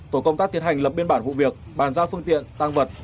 tổ công tác tiến hành lập biên bản vụ việc bàn giao phương tiện tăng vật